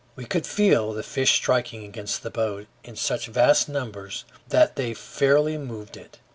We could feel the fish striking against the boat in such vast numbers that they fairly moved it.